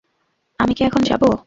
আমি কি এখন যাবো?